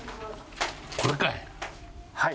これかい？